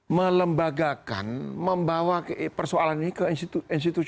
melembagakan membawa persoalan ini ke institusi